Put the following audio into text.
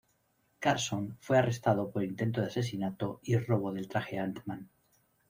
Carson fue arrestado por intento de asesinato y robo del traje Ant-Man.